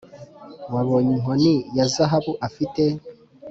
wabonye inkoni ya zahabu afite ?»